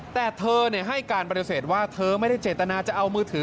แต่เธอเนี่ยให้การประโยเศษว่าเธอไม่ได้เจตนาจะเอามือถือ